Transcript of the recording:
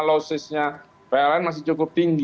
lossesnya prn masih cukup tinggi